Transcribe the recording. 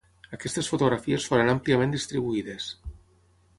Aquestes fotografies foren àmpliament distribuïdes.